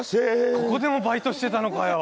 ここでもバイトしてたのかよ